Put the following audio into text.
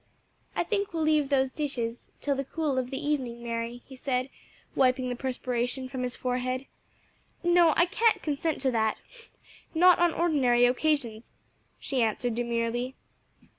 "I think we'll leave those dishes till the cool of the evening, Mary," he said, wiping the perspiration from his forehead. "No, I can't consent to that not on ordinary occasions," she answered demurely.